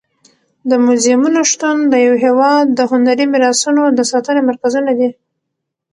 د موزیمونو شتون د یو هېواد د هنري میراثونو د ساتنې مرکزونه دي.